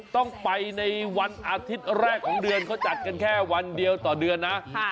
ต้องไปในวันอาทิตย์แรกของเดือนเขาจัดกันแค่วันเดียวต่อเดือนนะ